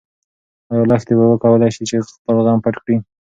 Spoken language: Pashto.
ايا لښتې به وکولی شي چې خپل غم پټ کړي؟